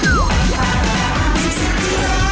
สุดท้าย